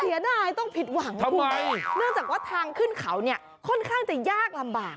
เสียดายต้องผิดหวังนะคุณเนื่องจากว่าทางขึ้นเขาเนี่ยค่อนข้างจะยากลำบาก